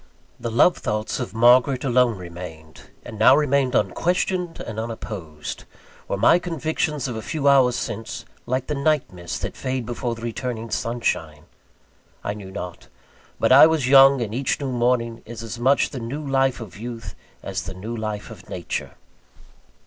The love thoughts of Margaret alone remained, and now remained unquestioned and unopposed. Were my convictions of a few hours since, like the night mists that fade before returning sunshine? I knew not. But I was young; and each new morning is as much the new life of youth, as the new life of Nature.